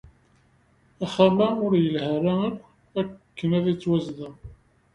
Axxam-a ur yelhi ara akk akken ad yettwazdeɣ.